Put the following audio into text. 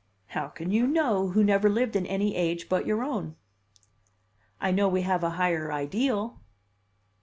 "How can you know, who never lived in any age but your own?" "I know we have a higher ideal."